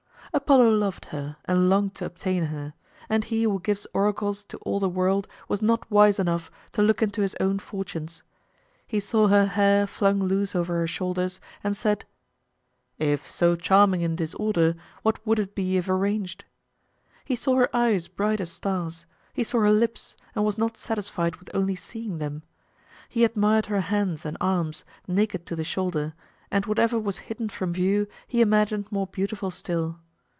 Apollo loved her, and longed to obtain her; and he who gives oracles to all the world was not wise enough to look into his own fortunes. He saw her hair flung loose over her shoulders, and said, "If so charming in disorder, what would it be if arranged?" He saw her eyes bright as stars; he saw her lips, and was not satisfied with only seeing them. He admired her hands and arms, naked to the shoulder, and whatever was hidden from view he imagined more beautiful still.